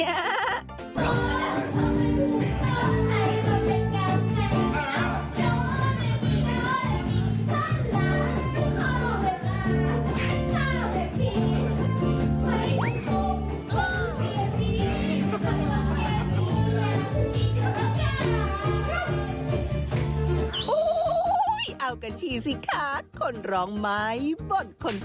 โอยแทบใจตรงนั้น